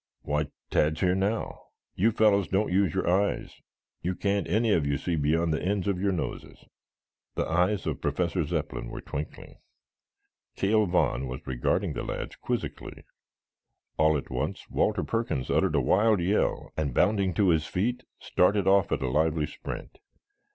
"Why, Tad's here now. You fellows don't use your eyes. You can't any of you see beyond the ends of your noses." The eyes of Professor Zepplin were twinkling. Cale Vaughn was regarding the lads quizzically. All at once Walter Perkins uttered a wild yell and bounding to his feet started off at a lively sprint.